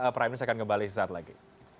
prime ini saya akan kembali saat lagi